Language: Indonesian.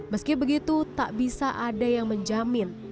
meski begitu tak bisa ada yang menjamin